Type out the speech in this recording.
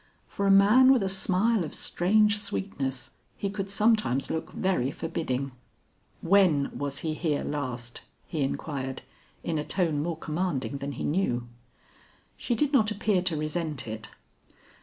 For a man with a smile of strange sweetness, he could sometimes look very forbidding. "When was he here last?" he inquired in a tone more commanding than he knew. She did not appear to resent it.